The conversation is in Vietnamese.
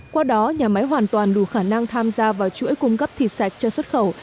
qua đó nhà máy hoàn toàn đủ khả năng tham gia vào chuỗi cung cấp thịt sạch cho xuất khẩu